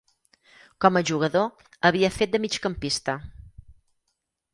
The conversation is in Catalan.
Com a jugador, havia fet de migcampista.